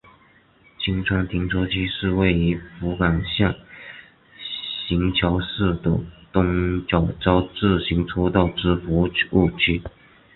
今川停车区是位于福冈县行桥市的东九州自动车道之服务区。